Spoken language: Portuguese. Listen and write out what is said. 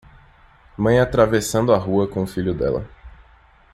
Mãe atravessando a rua com o filho dela.